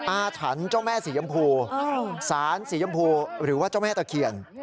อาถรรพ์เจ้าแม่สียำพูสารสียำพูหรือว่าเจ้าแม่ตะเคียน